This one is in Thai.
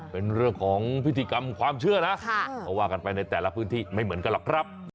เป็นเรื่องของพิธีกรรมความเชื่อนะเขาว่ากันไปในแต่ละพื้นที่ไม่เหมือนกันหรอกครับ